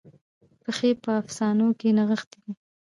پیښې په افسانو کې نغښتې دي.